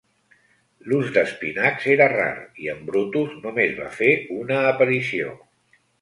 L'ús d'espinacs era rar i en Brutus només va fer una aparició.